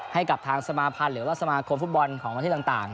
ให้กับทางสมาพันธ์หรือว่าสมาคมฟุตบอลของประเทศต่าง